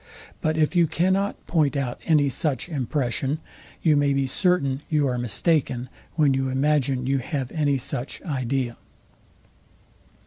But if you cannot point out any such impression, you may be certain you are mistaken, when you imagine you have any such idea.